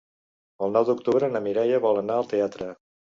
El nou d'octubre na Mireia vol anar al teatre.